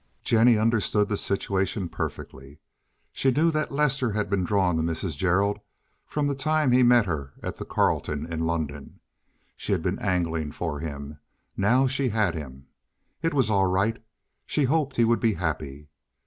Jennie understood the situation perfectly. She knew that Lester had been drawn to Mrs. Gerald from the time he met her at the Carlton in London. She had been angling for him. Now she had him. It was all right. She hoped he would be happy.